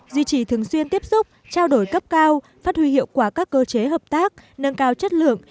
duy trì thường xuyên tiếp xúc trao đổi cấp cao phát huy hiệu quả các cơ chế hợp tác nâng cao chất lượng